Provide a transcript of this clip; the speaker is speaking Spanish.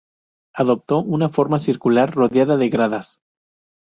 Adoptó una forma circular rodeada de gradas.